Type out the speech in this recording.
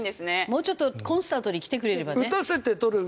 もうちょっとコンスタントにきてくれればね。